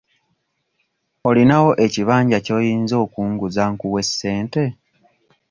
Olinawo ekibanja ky'oyinza okunguza nkuwe ssente?